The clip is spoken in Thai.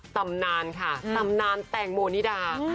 ตำนานค่ะตำนานแตงโมนิดา